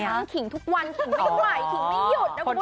ขิงทุกวันขิงไม่ไหวขิงไม่หยุดนะคุณ